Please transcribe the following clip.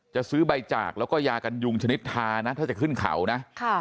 จะซื้อใบจากแล้วก็ยากันยุงชนิดทานะถ้าจะขึ้นเขานะ